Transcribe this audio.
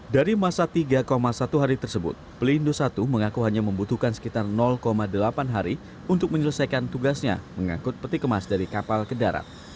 dari masa tiga satu hari tersebut pelindung satu mengaku hanya membutuhkan sekitar delapan hari untuk menyelesaikan tugasnya mengangkut peti kemas dari kapal ke darat